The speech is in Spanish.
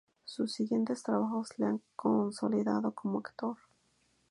Sus siguientes trabajos le han consolidado como actor.